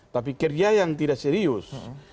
tapi kerja yang tidak serius